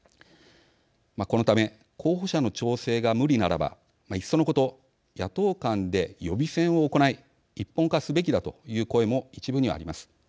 このため、候補者の調整が無理ならば、いっそのこと野党間で予備選を行い一本化すべきだという声も一部にはあります。